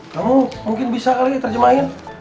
kamu mungkin bisa kali terjemahin